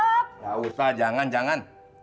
enggak usah jangan jangan